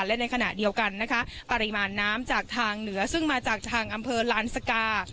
และในขณะเดียวกันนะคะปริมาณน้ำจากทางเหนือซึ่งมาจากทางอำเภอลานสกา